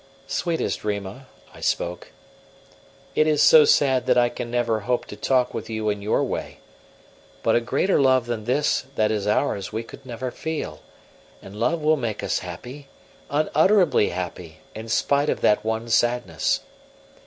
"Sweetest Rima," I spoke, "it is so sad that I can never hope to talk with you in your way; but a greater love than this that is ours we could never feel, and love will make us happy, unutterably happy, in spite of that one sadness.